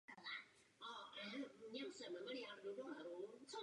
Své domácí zápasy odehrává na stadionu Sedliště.